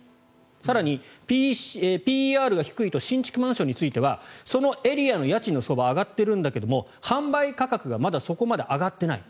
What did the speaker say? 更にＰＥＲが低いと新築マンションについてはそのエリアの家賃の相場は上がっているんだけど販売価格がまだそこまで上がっていない。